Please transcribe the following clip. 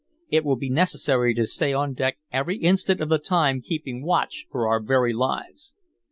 It will be necessary to stay on deck every instant of the time keeping watch for our very lives."